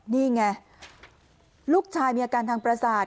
นี่ไงลูกชายมีอาการทางประสาท